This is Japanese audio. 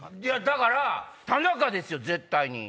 だから田中ですよ絶対に。